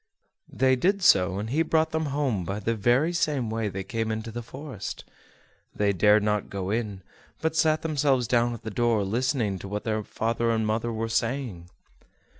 They did so, and he brought them home by the very same way they came into the forest. They dared not go in, but sat themselves down at the door, listening to what their father and mother were saying.